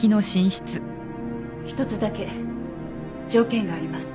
一つだけ条件があります。